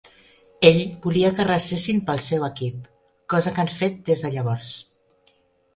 Ell volia que resessin pel seu equip, cosa que han fet des de llavors.